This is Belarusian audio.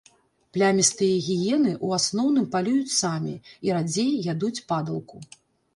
Плямістыя гіены ў асноўным палююць самі, і радзей ядуць падалку.